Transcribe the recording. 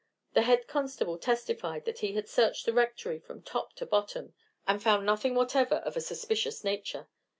The head constable testified that he had searched the Rectory from top to bottom, and found nothing whatever of a suspicious nature.